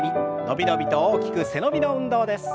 伸び伸びと大きく背伸びの運動です。